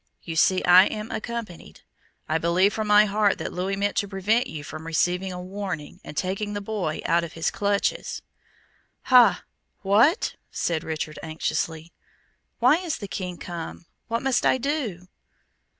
You see I am accompanied. I believe from my heart that Louis meant to prevent you from receiving a warning, and taking the boy out of his clutches." "Ha! what?" said Richard, anxiously. "Why is the King come? What must I do?"